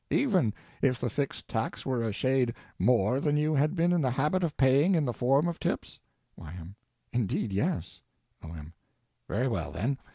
Even if the fixed tax were a shade more than you had been in the habit of paying in the form of tips? Y.M. Indeed, yes! O.M. Very well, then.